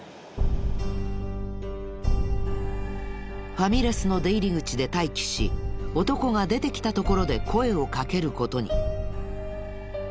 ファミレスの出入り口で待機し男が出てきたところで声をかける事に。